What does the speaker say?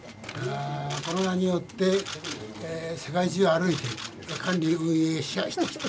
この名によって世界中を歩いて管理運営支配してきた。